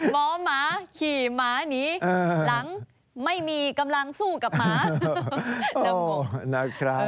หมอม้าขี่ม้านีหลังไม่มีกำลังสู้กับม้า